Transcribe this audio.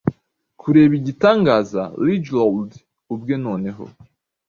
Kureba igitangaza liegelord ubwe noneho